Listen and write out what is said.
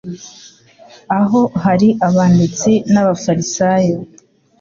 Aho hari abanditsi n'abafarisayo,